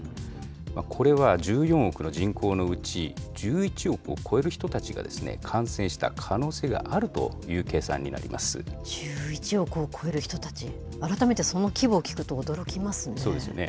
これは１４億の人口のうち、１１億を超える人たちが感染した可能性があるという計算になりま１１億を超える人たち、改めそうですよね。